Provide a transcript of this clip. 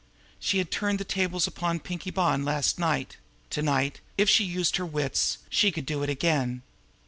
She had turned the tables upon Pinkie Bonn last night; to night, if she used her wits, she could do it again!